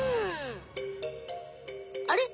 あれ？